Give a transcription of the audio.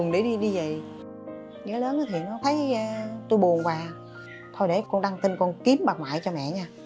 vì vậy nhớ lớn thì nó thấy tôi buồn và thôi để con đăng tin con kiếm bà ngoại cho mẹ nha